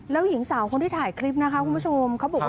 แล้วหญิงสาวคนที่ถ่ายคลิปนะคะคุณผู้ชมเขาบอกว่า